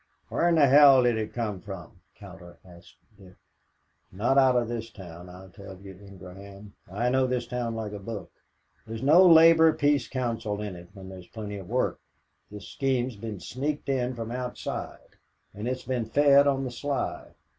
"Where in hell did it come from?" Cowder asked Dick. "Not out of this town, I tell you, Ingraham. I know this town like a book. There's no Labor Peace Council in it when there's plenty of work. This scheme's been sneaked in from outside, and it's being fed on the sly.